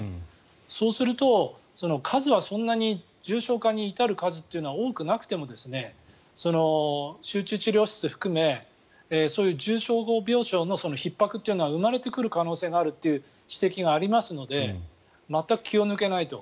そうするとそんなに重症化に至る数は多くなくても、集中治療室を含めそういう重症病床のひっ迫というのが生まれてくる可能性があるという指摘がありますので全く気を抜けないと。